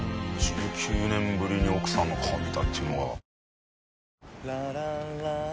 １９年ぶりに奥さんの顔見たっていうのが。